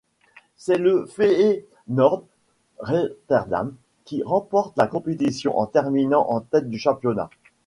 C'est le Feyenoord Rotterdam qui remporte la compétition en terminant en tête du championnat.